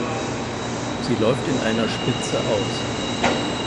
Sie läuft in einer Spitze aus.